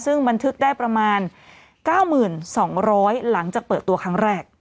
ซึ่งบันทึกได้ประมาณ๙๒๐๐หลังจากเปิดตัวครั้งแรก